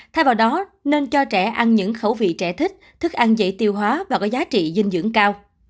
thay vào đó nên cho trẻ ăn những khẩu vị trẻ thích thức ăn dễ tiêu hóa và có giá trị dinh dưỡng cao